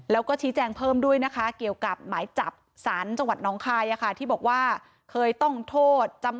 แล้วก็ชี้แจงเพิ่มด้วยนะคะเกี่ยวกับหมายจับสารจังหวัดน้องคายที่บอกว่าเคยต้องโทษจำ